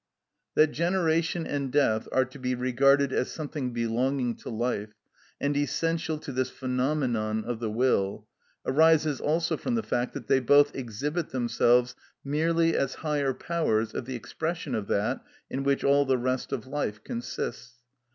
That generation and death are to be regarded as something belonging to life, and essential to this phenomenon of the will, arises also from the fact that they both exhibit themselves merely as higher powers of the expression of that in which all the rest of life consists.